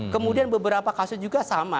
kemudian beberapa kasus juga sama